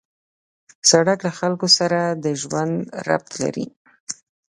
سړک له خلکو سره د ژوند ربط لري.